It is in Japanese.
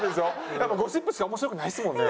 やっぱゴシップしか面白くないですもんね